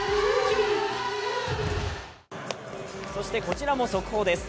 そしてこちらも速報です。